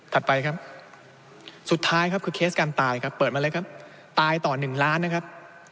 ไปครับสุดท้ายครับคือเคสการตายครับเปิดมาเลยครับตายต่อ๑ล้านนะครับ